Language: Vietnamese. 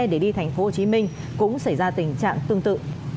để đi thành phố hồ chí minh cũng xảy ra tình trạng tương tự